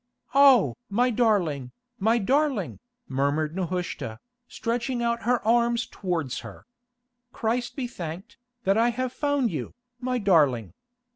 "Oh! my darling, my darling," murmured Nehushta, stretching out her arms towards her. "Christ be thanked, that I have found you, my darling."